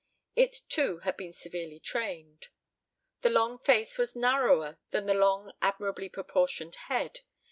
It too had been severely trained. The long face was narrower than the long admirably proportioned head.